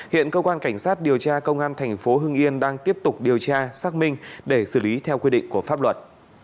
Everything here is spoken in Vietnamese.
hiện cơ quan cảnh sát điều tra công an thành phố hưng yên đang tiếp tục điều tra xác minh để xử lý theo quy định của pháp luật